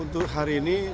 untuk hari ini